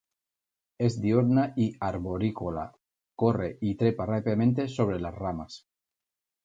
Es diurna y arborícola, corre y trepa rápidamente sobre las ramas.